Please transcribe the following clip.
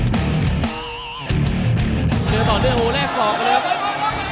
เดินต่อเดินโหแลกหลอกเลยครับ